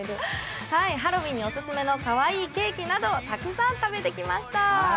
ハロウィーンにオススメのかわいいケーキなどたくさん食べてきました。